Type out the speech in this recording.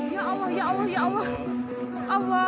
ya allah ya allah ya allah